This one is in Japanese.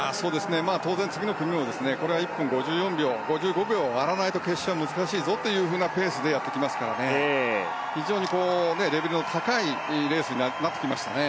当然、次の組も１分５４秒５５秒を割らないと決勝は難しいぞというペースでやってきますから非常にレベルの高いレースになってきましたね。